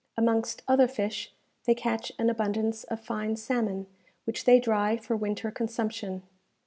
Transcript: Amongst other fish, they catch an abundance of fine salmon, which they dry for winter consumption.